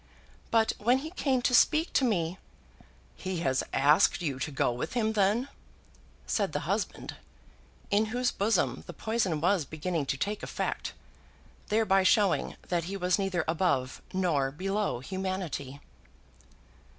But when he came to speak to me " "He has asked you to go with him, then?" said the husband, in whose bosom the poison was beginning to take effect, thereby showing that he was neither above nor below humanity.